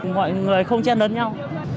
mọi người không chen đớn nhau